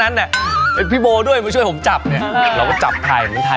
นะครับก็ติดตามผลงานมา